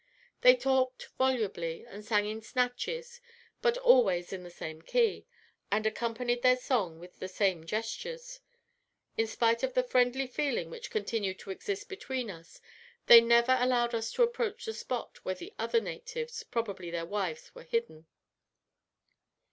They talked volubly, and sang in snatches, but always in the same key, and accompanied their song with the same gestures. In spite of the friendly feeling which continued to exist between us, they never allowed us to approach the spot where the other natives, probably their wives, were hidden."